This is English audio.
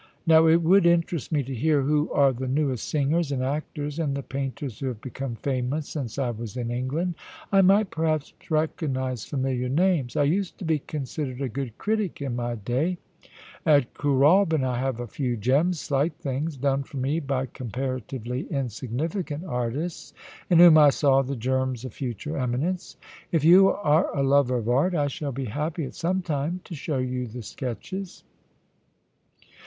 Now it would interest me to hear who are the newest singers and actors, and the painters who have become famous since I was in England. I might perhaps recognise familiar names. I used to be considered a good critic in my day. At Kooralbyn I have a few gems, slight things, done for me by comparatively insignificant artists, in whom I saw the germs of future eminence. If you are a lover of art, I shall be happy at some time to show you the sketches.'